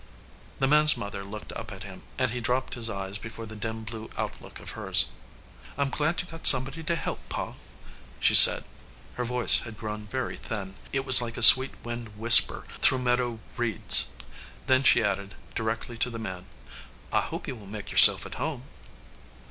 The man s mother looked up at him, and he dropped his eyes before the dim blue outlook of hers. "Pm glad you ve got somebody to help, Pa," she said. Her voice had grown very thin. It was like a sweet wind whisper through meadow reeds, 302 "A RETREAT TO THE GOAL" Then she added, directly to the man, "I hope you will make yourself at home."